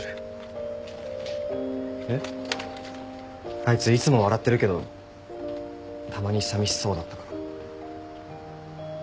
あいついつも笑ってるけどたまにさみしそうだったから。